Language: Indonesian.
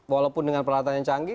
walaupun dengan peralatan yang canggih